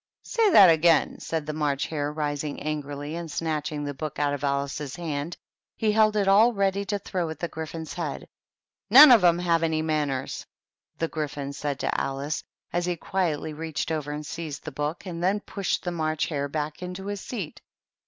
" Say that again !" said the March Hare, rising angrily, and, snatching the book out of Alice's hand, he held it all ready to throw at the Gry phon's head. "None of 'em have any manners," the Gry phon said to Alice, as he quietly reached over and 7* 78 THE TEA TABLE. seized the book, and then pushed the March Hare back into his seat.